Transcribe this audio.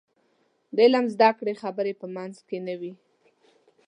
د علم د زده کړې خبرې په منځ کې نه وي.